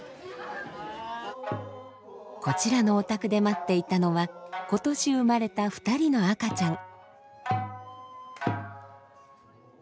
こちらのお宅で待っていたのは今年生まれた２人の赤ちゃん。